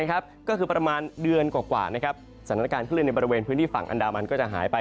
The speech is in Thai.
ก็คือประมาณเดือนกว่าสถานการณ์คลื่นในบริเวณพื้นที่ฝั่งอันดามันก็จะหายไป